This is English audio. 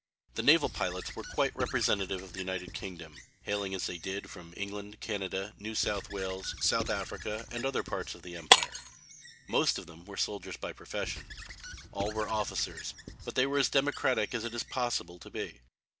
The naval pilots were quite representative of the United Kingdom hailing as they did from England, Canada, New South Wales, South Africa, and other parts of the Empire. Most of them were soldiers by profession. All were officers, but they were as democratic as it is possible to be.